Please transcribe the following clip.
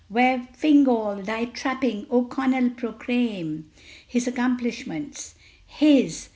Wear, Fingal, thy trapping! O'Connell, proclaim His accomplishments! _His!!!